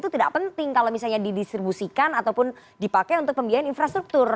itu tidak penting kalau misalnya didistribusikan ataupun dipakai untuk pembiayaan infrastruktur